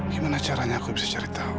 gimana caranya aku bisa cari tahu